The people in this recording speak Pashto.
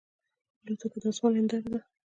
الوتکه د آسمان هنداره ده.